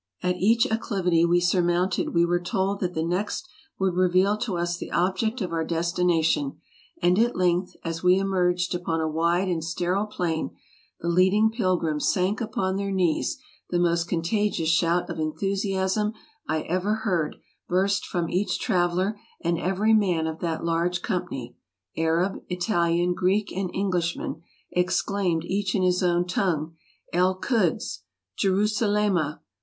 At each acclivity we surmounted we were told that the next would reveal to us the object of our destination; and at length, as we emerged upon a wide and sterile plain, the leading pilgrims sank upon their knees, the most contagious shout of enthusiasm I ever heard burst from each traveler, and every man of that large company — Arab, Italian, Greek, and Englishman — exclaimed, each in his own tongue, "El Khuds!" " Gerusalemma!"